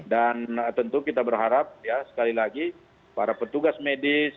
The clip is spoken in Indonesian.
dan tentu kita berharap ya sekali lagi para petugas medis